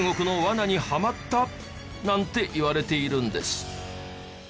なんていわれているんです。